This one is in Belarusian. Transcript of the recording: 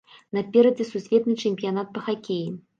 Наперадзе сусветны чэмпіянат па хакеі.